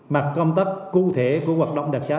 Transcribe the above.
mặt công tác cụ thể của hoạt động đặc xá